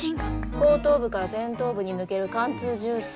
後頭部から前頭部に抜ける貫通銃創。